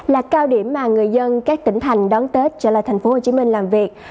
là cao điểm mà người dân các tỉnh thành đón tết trở lại thành phố hồ chí minh làm việc